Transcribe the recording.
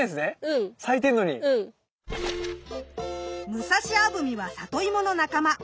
ムサシアブミはサトイモの仲間。